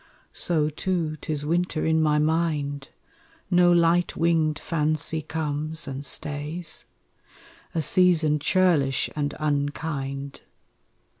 So too 'tis winter in my mind, No light winged fancy comes and stays: A season churlish and unkind.